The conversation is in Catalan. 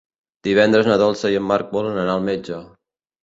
Divendres na Dolça i en Marc volen anar al metge.